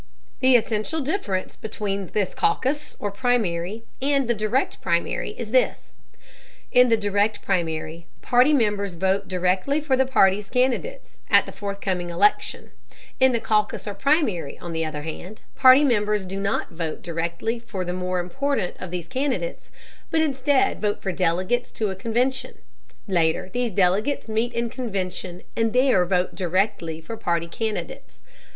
The essential difference between this caucus or primary and the Direct Primary is this: in the Direct Primary, party members vote directly for the party's candidates at the forthcoming election; in the caucus or primary, on the other hand, party members do not vote directly for the more important of these candidates, but instead vote for delegates to a convention. Later these delegates meet in convention and there vote directly for party candidates.